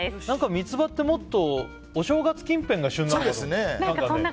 何か、ミツバってもっとお正月近辺が旬なのかと。